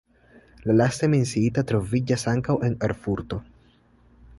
La laste menciita troviĝas ankaŭ en Erfurto.